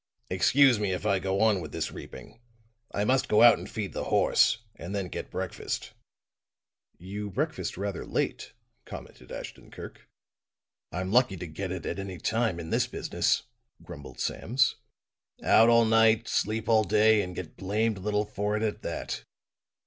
"Excuse me if I go on with this reaping. I must go out and feed the horse, and then get breakfast." "You breakfast rather late," commented Ashton Kirk. "I'm lucky to get it at any time, in this business," grumbled Sams. "Out all night, sleep all day, and get blamed little for it, at that."